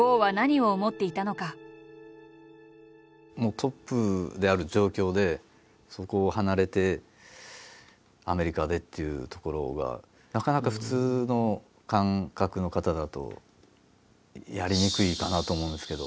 トップである状況でそこを離れてアメリカでっていうところがなかなか普通の感覚の方だとやりにくいかなと思うんですけど。